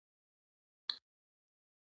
د ژمي لپاره د څارویو خوراک څنګه ذخیره کړم؟